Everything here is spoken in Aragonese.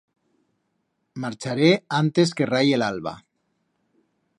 Marcharé antes que raye l'alba.